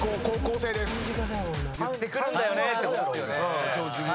［高校生です。